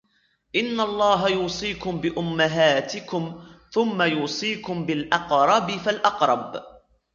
إنَّ اللَّهَ يُوصِيكُمْ بِأُمَّهَاتِكُمْ ثُمَّ يُوصِيكُمْ بِالْأَقْرَبِ فَالْأَقْرَبِ